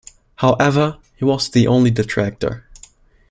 However, he was the only detractor.